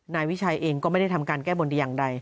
นายวิชัยเองก็ไม่ได้ทำการแก้บนแต่อย่างใด